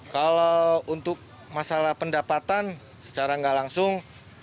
kalau untuk masalah pendapatan secara nggak langsung